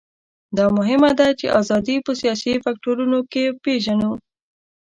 دا مهمه ده چې ازادي په سیاسي فکټورونو کې وپېژنو.